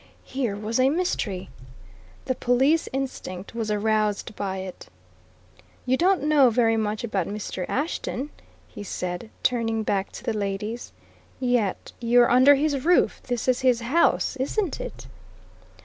Here was a mystery! The police instinct was aroused by it. "You don't know very much about Mr. Ashton?" he said, turning back to the two ladies. "Yet you're under his roof? This is his house, isn't it?"